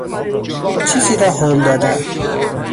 چیزی را هل دادن